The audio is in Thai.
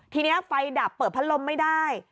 ทีนี้ไฟดับเปิดพัดลมไม่ได้